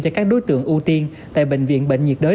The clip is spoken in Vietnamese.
cho các đối tượng ưu tiên tại bệnh viện bệnh nhiệt đới